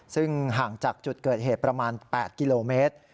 ซึ่งห่างจากจุดเกิดเหตุประมาณ๘กิโลเมตร